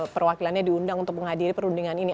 perwakilannya diundang untuk menghadiri perundingan ini